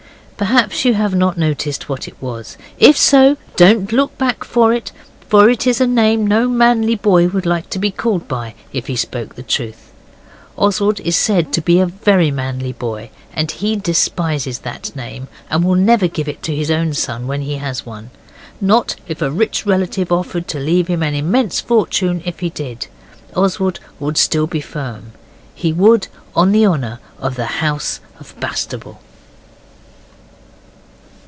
Perhaps you have not noticed what it was. If so, don't look back for it. It is a name no manly boy would like to be called by if he spoke the truth. Oswald is said to be a very manly boy, and he despises that name, and will never give it to his own son when he has one. Not if a rich relative offered to leave him an immense fortune if he did. Oswald would still be firm. He would, on the honour of the House of Bastable.